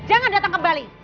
jangan datang kembali